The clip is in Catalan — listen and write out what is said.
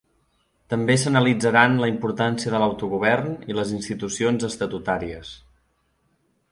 També s’analitzaran la importància de l’autogovern i les institucions estatutàries.